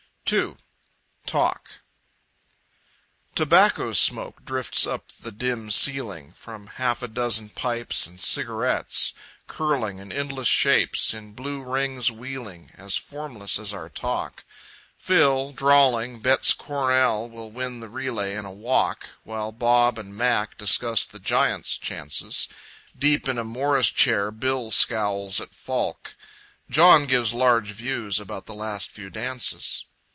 2. Talk Tobacco smoke drifts up to the dim ceiling From half a dozen pipes and cigarettes, Curling in endless shapes, in blue rings wheeling, As formless as our talk. Phil, drawling, bets Cornell will win the relay in a walk, While Bob and Mac discuss the Giants' chances; Deep in a morris chair, Bill scowls at "Falk", John gives large views about the last few dances.